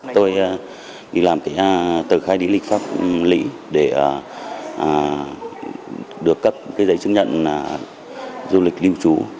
tôi đi làm tờ khai địa lịch pháp lị để được cấp giấy chứng nhận du lịch lưu trú